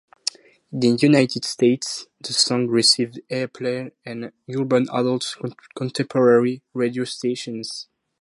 In the United States, the song received airplay on Urban Adult Contemporary radio stations.